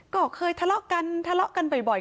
ก็เคยทะเลาะกันทะเลาะกันบ่อย